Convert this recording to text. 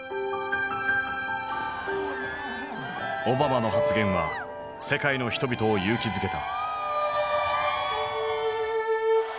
オバマの発言は世界の人々を勇気づけた。